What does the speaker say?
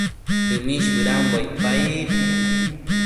Dëmish bëdambo icpaid